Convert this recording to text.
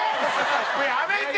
もうやめて！